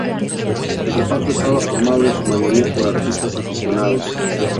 El reparto estaba formado en su mayoría por artistas aficionados.